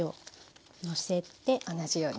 同じように。